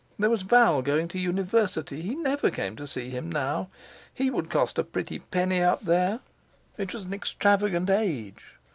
There was Val going to the university; he never came to see him now. He would cost a pretty penny up there. It was an extravagant age.